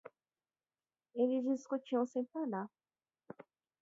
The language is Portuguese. Eles discutiam sem parar.